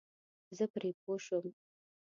زه پرې پوه شوم.